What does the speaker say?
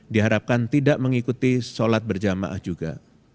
diharapkan tidak mengikuti sholat berjamaah juga